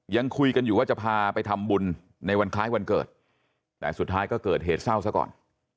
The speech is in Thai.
ยังคุยกันอยู่ว่าจะพาไปทำบุญในวันคล้ายวันเกิดแต่สุดท้ายก็เกิดเหตุเศร้าซะก่อน